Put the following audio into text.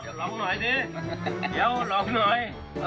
เดี๋ยวลองหน่อยดิเดี๋ยวลองหน่อย